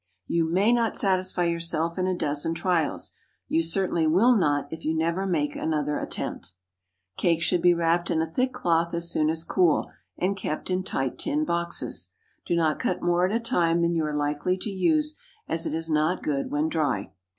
You may not satisfy yourself in a dozen trials. You certainly will not, if you never make another attempt. Cake should be wrapped in a thick cloth as soon as cool, and kept in tight tin boxes. Do not cut more at a time than you are likely to use, as it is not good when dry.